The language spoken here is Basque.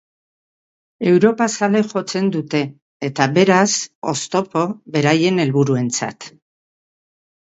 Europazale jotzen dute eta, beraz, oztopo beraien helburuentzat.